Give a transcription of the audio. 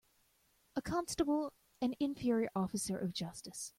A constable an inferior officer of justice.